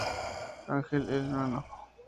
Ángel, el Hno.